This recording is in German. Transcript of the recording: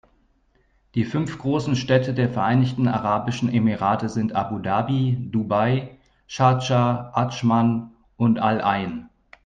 Die fünf großen Städte der Vereinigten Arabischen Emirate sind Abu Dhabi, Dubai, Schardscha, Adschman und Al-Ain.